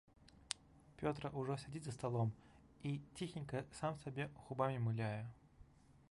Пётра ўжо сядзіць за сталом і ціхенька сам сабе губамі мыляе.